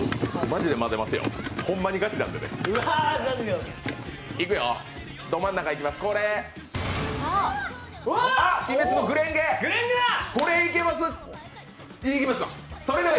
マジで混ぜますよ、ホンマにガチなんで。